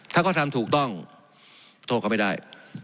ถ้าเขาทำถูกต้องโทษเขาไม่ได้